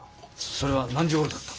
それは何時ごろだった？